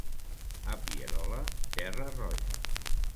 A Pierola, terra roja.